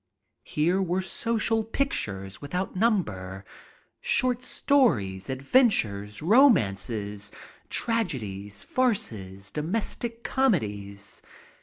Here were social pictures without number, short stories, adventures, romances, tragedies, farces, domestic comedies.